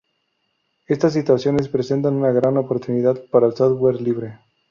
Estas situaciones presentan una gran oportunidad para el software libre.